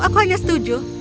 aku hanya setuju